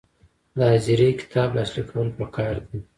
د حاضري کتاب لاسلیک کول پکار دي